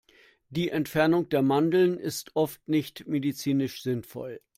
Die Entfernung der Mandeln ist oft nicht medizinisch sinnvoll.